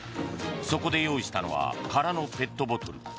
そこで用意したのは空のペットボトル。